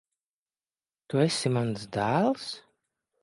Tu esi mans dēls?